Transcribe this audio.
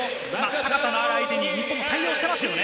高さのある相手に日本、対応していましたね。